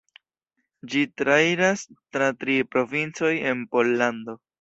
Ĝi trairas tra tri provincoj en Pollando.